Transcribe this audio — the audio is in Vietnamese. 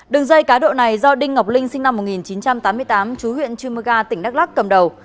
đường dây cá độ này do đinh ngọc linh sinh năm một nghìn chín trăm tám mươi tám chú huyện chumaga tỉnh đắk lắc cầm đầu